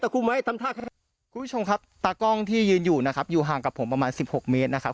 คุณผู้ชมครับตากล้องที่ยืนอยู่นะครับอยู่ห่างกับผมประมาณสิบหกเมตรนะครับ